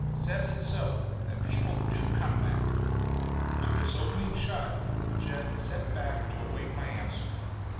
Says it's so. That people do come back." With this opening shot Jed sat back to await my answer.